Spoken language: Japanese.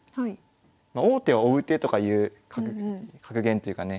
まあ「王手は追う手」とかいう格言というかね